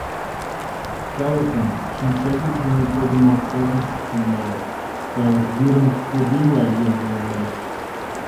Калыкын шинчавӱд дене погымо оксажым шупшын налыт, калык вӱрым пудийла йӱын илынешт...